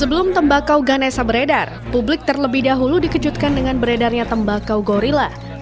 sebelum tembakau ganesa beredar publik terlebih dahulu dikejutkan dengan beredarnya tembakau gorilla